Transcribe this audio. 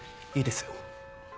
いいですよ。